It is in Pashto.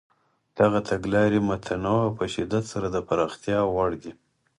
دغه تګلارې متنوع او په شدت سره د پراختیا وړ دي.